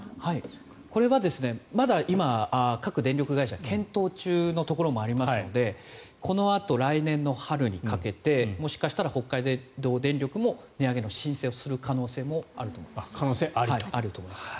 これは、まだ今各電力会社検討中のところもあるのでこのあと来年の春にかけてもしかしたら北海道電力も値上げの申請をする可能性もあると思います。